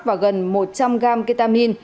và gần một trăm linh gram ketamin